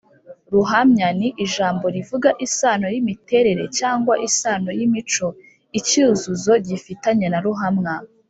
ruhamya ni ijambo rivuga isano y’imiterere cyangwa isano y’imico icyuzuzo gifitanye na ruhamwa